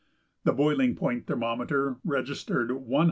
The boiling point thermometer registered 180.